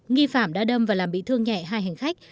nghi phạm đã đâm và làm bị thương nhẹ hai hành khách